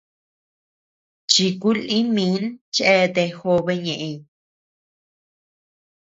Chiku lï min cheatea jobe ñeʼeñ.